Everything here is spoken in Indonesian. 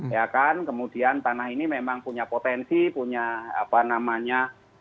ya kan kemudian tanah ini memang punya potensi punya apa namanya